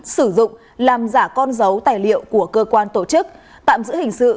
sử dụng làm giả con dấu tài liệu của cơ quan tổ chức tạm giữ hình sự